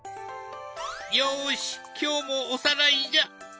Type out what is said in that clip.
よし今日もおさらいじゃ！